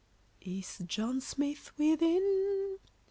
] Is John Smith within?